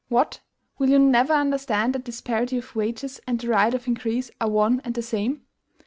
What! will you never understand that disparity of wages and the right of increase are one and the same?